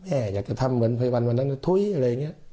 อยากจะทำเหมือนภัยวันวันนั้นถุ้ยอะไรอย่างนี้